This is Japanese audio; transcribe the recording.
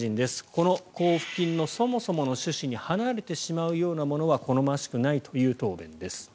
この交付金のそもそもの趣旨に離れてしまうようなものは好ましくないという答弁です。